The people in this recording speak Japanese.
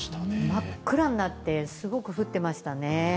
真っ暗になって、すごく降ってましたね。